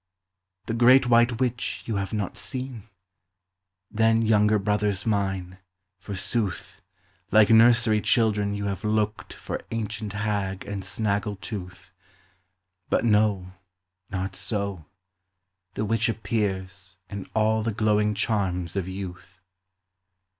The great white witch you have not seen ? Then, younger brothers mine, forsooth, Like nursery children you have looked For ancient hag and snaggle tooth; But no, not so; the witch appears In all the glowing charms of youth.